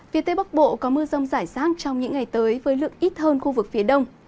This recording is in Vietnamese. phía tây bắc bộ có mưa rông rải rác trong những ngày tới với lượng ít hơn khu vực phía đông